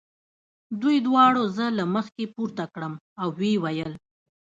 دوی دواړو زه له مځکې پورته کړم او ویې ویل.